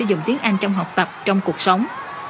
dùng tiếng anh trong học tập trong cuộc sống